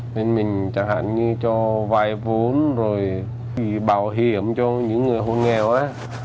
nên mình chẳng hạn như cho vài vốn rồi bảo hiểm cho những người hôn nghèo á